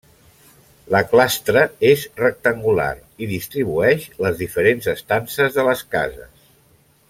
La clastra és rectangular i distribueix les diferents estances de les cases.